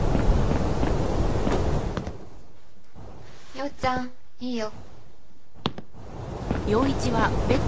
陽ちゃんいいよ。